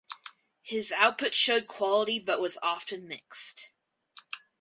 His output showed quality but was often mixed.